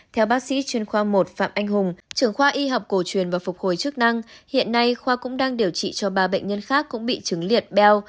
theo bác sĩ chuyên khoa một phạm anh hùng trưởng khoa y học cổ truyền và phục hồi chức năng hiện nay khoa cũng đang điều trị cho ba bệnh nhân khác cũng bị chứng liệt beo